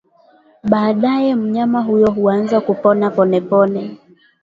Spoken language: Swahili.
baadaye mnyama huyo huanza kupona polepole